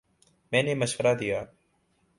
میں نے مشورہ دیا